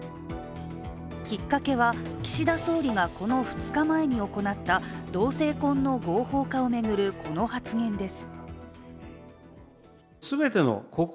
きっかけは、岸田総理がこの２日前に行った同性婚の合法化を巡るこの発言です。